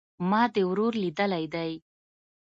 ما دي ورور ليدلى دئ